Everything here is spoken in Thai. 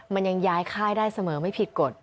มันยังย้ายค่ายได้เสมอไม่ผิดกฎ